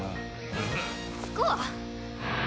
スコア！？